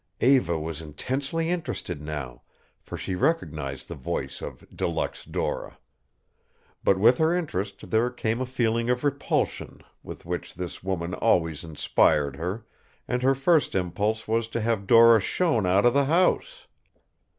Eva was intensely interested now, for she recognized the voice of De Luxe Dora. But with her interest there came a feeling of repulsion with which this woman always inspired her, and her first impulse was to have Dora shown out of the house.